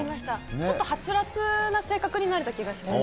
ちょっとはつらつな性格になれた気がします。